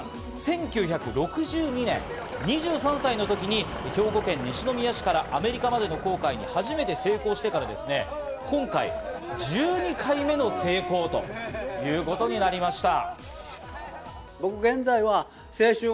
堀江さん、１９６２年、２３歳の時に兵庫県西宮市からアメリカまでの航海に初めて成功してから今回１２回目の成功ということになりました。